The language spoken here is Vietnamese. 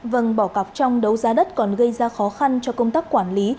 vâng bỏ cọc trong đấu giá đất còn gây ra khó khăn cho công tác quản lý